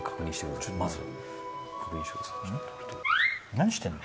何してんの？